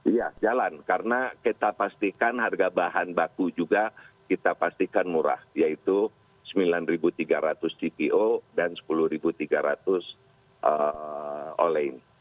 iya jalan karena kita pastikan harga bahan baku juga kita pastikan murah yaitu rp sembilan tiga ratus cpo dan sepuluh tiga ratus olin